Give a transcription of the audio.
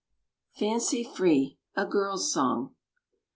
FANCY FREE. A GIRL'S SONG.